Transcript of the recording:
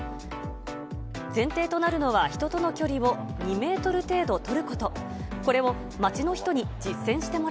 前提となるのは、人との距離を２メートル程度取ること。